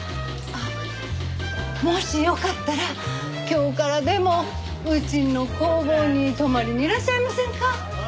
あっもしよかったら今日からでもうちの工房に泊まりにいらっしゃいませんか？